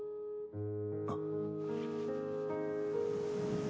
あっ。